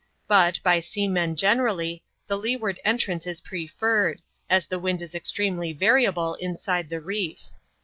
But, by seamen generally, the leeward entrance is preferred, as the wind is extremely variable inside the reef.